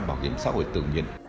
bảo hiểm xã hội tự nhiên